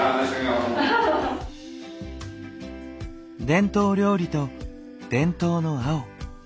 伝統料理と伝統の青。